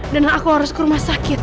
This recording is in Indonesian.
dan aku harus ke rumah sakit